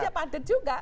tetap aja padat juga